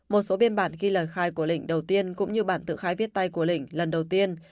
một số biên bản ghi lời khai của lịnh đầu tiên cũng như bản tự khai viết tay của lịnh lần đầu tiên